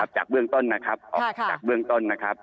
จากเรื่องต้นนะครับ